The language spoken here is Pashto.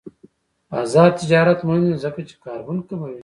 آزاد تجارت مهم دی ځکه چې کاربن کموي.